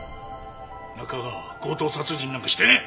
中川は強盗殺人なんかしてねえ！